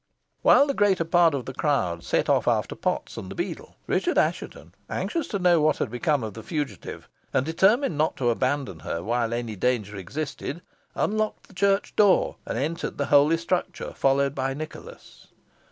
While the greater part of the crowd set off after Potts and the beadle, Richard Assheton, anxious to know what had become of the fugitive, and determined not to abandon her while any danger existed, unlocked the church door, and entered the holy structure, followed by Nicholas.